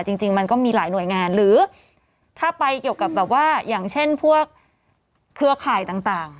จริงจริงมันก็มีหลายหน่วยงานหรือถ้าไปเกี่ยวกับแบบว่าอย่างเช่นพวกเครือข่ายต่าง